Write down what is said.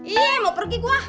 iya mau pergi gue